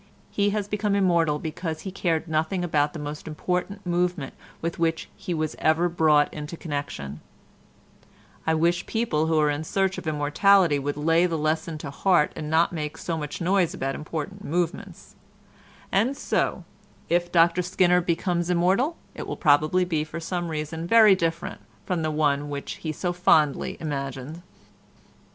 He has become immortal because he cared nothing about the most important movement with which he was ever brought into connection (I wish people who are in search of immortality would lay the lesson to heart and not make so much noise about important movements), and so, if Dr Skinner becomes immortal, it will probably be for some reason very different from the one which he so fondly imagined.